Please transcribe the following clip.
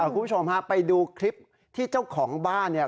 คุณผู้ชมฮะไปดูคลิปที่เจ้าของบ้านเนี่ย